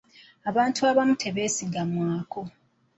Abantu abamu tebeesigamwako.